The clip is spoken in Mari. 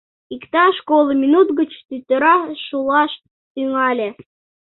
Иктаж коло минут гыч тӱтыра шулаш тӱҥале.